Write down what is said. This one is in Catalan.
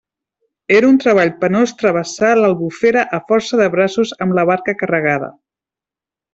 Era un treball penós travessar l'Albufera a força de braços amb la barca carregada.